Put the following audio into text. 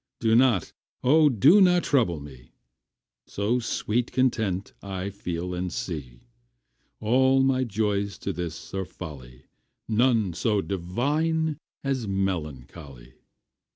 Do not, O do not trouble me, So sweet content I feel and see. All my joys to this are folly, None so divine as melancholy.